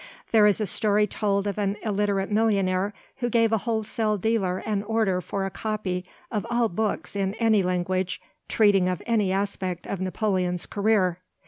There is a story told of an illiterate millionaire who gave a wholesale dealer an order for a copy of all books in any language treating of any aspect of Napoleon's career.